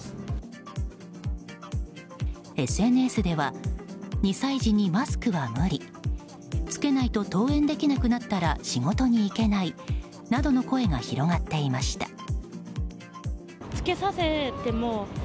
ＳＮＳでは２歳児にマスクは無理着けないと登園できなくなったら仕事に行けないなどの声が広がっていました。